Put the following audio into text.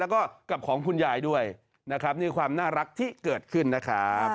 แล้วก็กับของคุณยายด้วยนะครับนี่ความน่ารักที่เกิดขึ้นนะครับ